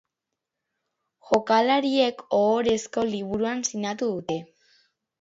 Jokalariek ohorezko liburuan sinatu dute.